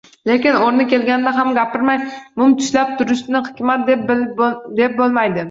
Lekin o‘rni kelganida ham gapirmay, mum tishlab turishni hikmat, deb bo‘lmaydi.